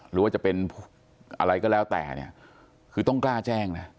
หรือว่าจะเป็นอะไรก็แล้วแต่เนี่ยคือต้องกล้าแจ้งนะ